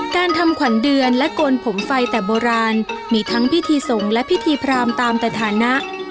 การทำขวัญเดือนและโกนผมไฟแต่โบราณมีทั้งพิธีสงฆ์และพิธีพรามตามสถานะ